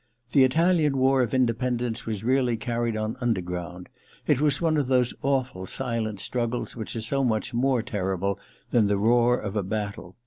The Italian war of independence was really carried on underground : it was one of those awful silent struggles which are so much more terrible than the roar of a battle.